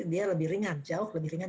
dia lebih ringan jauh lebih ringan